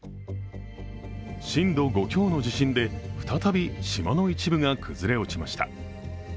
震度５強の地震で再び島の一部が崩れ落ちました。